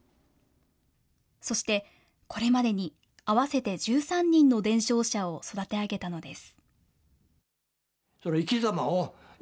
そして、これまでに合わせて１３人の伝承者を育て上げたのです。